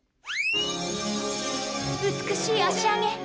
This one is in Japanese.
美しい足上げ！